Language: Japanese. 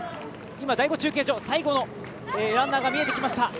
今、第５中継所、最後のランナーが見えてきました。